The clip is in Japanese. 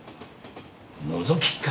のぞきか。